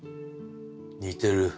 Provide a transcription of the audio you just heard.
似てる。